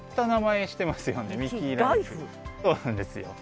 そうなんですよ。